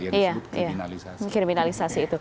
yang disebut kriminalisasi